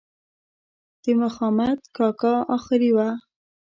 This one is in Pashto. د مخامد کاکا آخري وه.